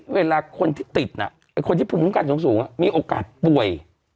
เวลาคนที่ติดคนที่ภูมิคุ้มกันสูงมีโอกาสป่วย